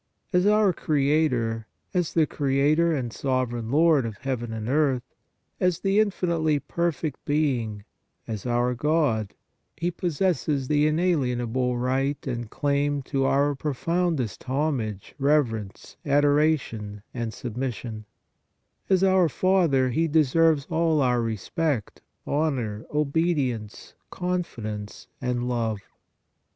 As our Creator, as the Creator and Sovereign Lord of heaven and earth, as the infinitely perfect Being, as our God, He possesses the inalienable right and claim to our profoundest homage, reverence, adora tion and submission; as our Father, He deserves all our respect, honor, obedience, confidence and love.